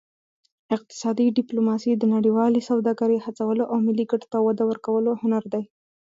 اقتصادي ډیپلوماسي د نړیوالې سوداګرۍ هڅولو او ملي ګټو ته وده ورکولو هنر دی